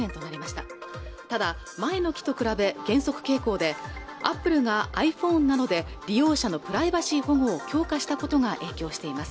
ただ前の期と比べ減速傾向でアップルがｉＰｈｏｎｅなどで利用者のプライバシー保護を強化したことが影響しています